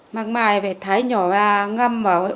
măng mai phải thái nhỏ ra ngâm vào